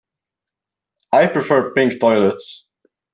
I prefer pink toilets.